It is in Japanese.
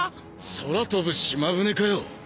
空飛ぶ島船かよ